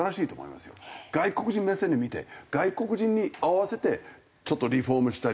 外国人目線で見て外国人に合わせてちょっとリフォームしたり。